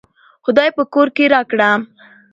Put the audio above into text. خداى په کور کې راکړه